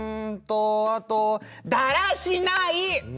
あと、だらしない！